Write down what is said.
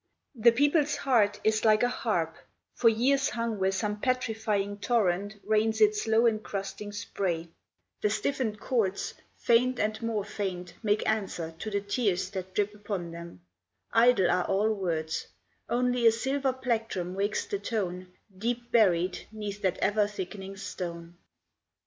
The people's heart is like a harp for years Hung where some petrifying torrent rains Its slow incrusting spray: the stiffened chords Faint and more faint make answer to the tears That drip upon them: idle are all words; Only a silver plectrum wakes the tone Deep buried 'neath that ever thickening stone.